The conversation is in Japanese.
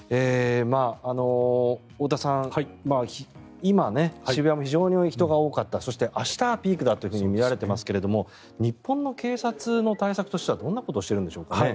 太田さん、今渋谷も非常に人が多かったそして、明日ピークだと見られていますが日本の警察の対策としてはどんなことをしてるんでしょうかね。